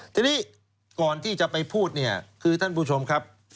ทีนี้ก่อนที่จะไปพูดเนี่ยคือท่านผู้ชมครับ